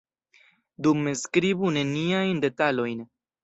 Dume skribu neniajn detalojn.